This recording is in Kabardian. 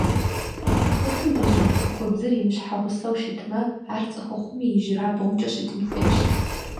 Цӏыхухъум дэщӏыгъу цӀыхубзыр имыщхьэгъусэу щытмэ, ар цӀыхухъум и ижьырабгъумкӀэ щытын хуейщ.